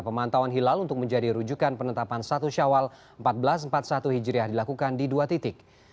pemantauan hilal untuk menjadi rujukan penetapan satu syawal seribu empat ratus empat puluh satu hijriah dilakukan di dua titik